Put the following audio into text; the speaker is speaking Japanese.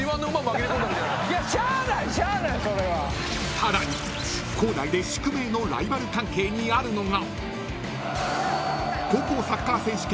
［さらに校内で宿命のライバル関係にあるのが］